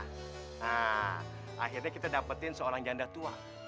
nah akhirnya kita dapetin seorang janda tua